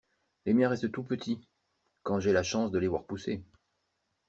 Les miens restent tout petits, quand j’ai la chance de les voir pousser.